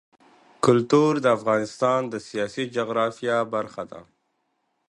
کلتور د افغانستان د سیاسي جغرافیه برخه ده.